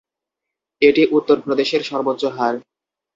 এটি উত্তর প্রদেশের সর্বোচ্চ হার।